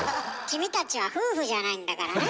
君たちは夫婦じゃないんだからね。